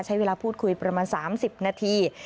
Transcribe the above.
ใช้เวลาพูดคุยประมาณ๓๐นาที